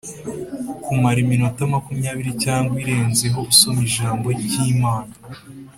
kumara iminota makumyabiri cyangwa irenzeho usoma Ijambo ry Imana